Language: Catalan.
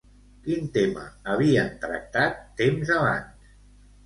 Quin tema havien tractat temps abans?